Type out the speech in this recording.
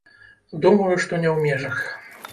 Думаю, што не ў межах.